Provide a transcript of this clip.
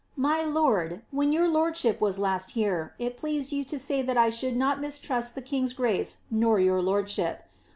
My lord, when your lordship was last here, it pleased you to say that I should not mistrust the king's grace nor your lordship.